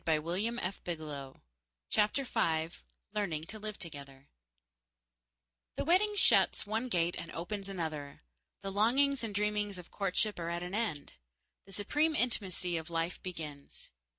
Gladys Hoagland Groves CHAPTER FIVE Learning to Live Together The wedding shuts one gate and opens another. The longings and dreamings of courtship are at an end. The supreme intimacy of life begins.